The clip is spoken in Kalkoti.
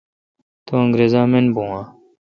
تو انگرزا من بھو اؘ?۔